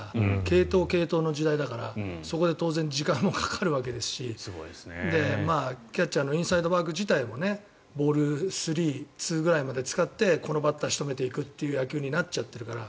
継投、継投の時代だからそこで時間もかかるわけですしキャッチャーのインサイドワーク自体もボール３、２ぐらいまで使ってこのバッターを仕留めていくっていう野球になっちゃったから。